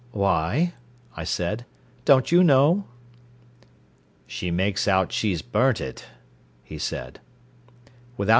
"Why?" I said. "Don't you know?" "She makes out she's burnt it," he said.